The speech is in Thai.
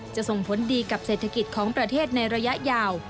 ส่งผลดีกับเศรษฐกิจของประเทศในระยะยาว